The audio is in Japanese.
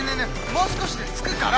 もう少しで着くから！